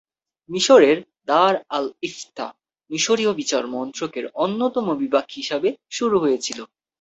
মিশরের দার আল-ইফতা মিশরীয় বিচার মন্ত্রকের অন্যতম বিভাগ হিসাবে শুরু হয়েছিল।